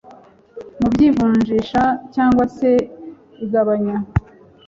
mu by ivunjisha cyangwa se igabanya